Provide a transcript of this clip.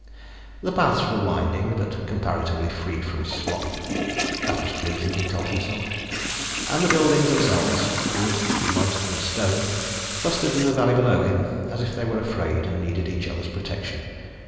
The paths were winding, but comparatively free from slop. That was pleasing, he told himself. And the buildings themselves, wood, mud and stone, clustered in the valley below him as if they were afraid, and needed each other's protection.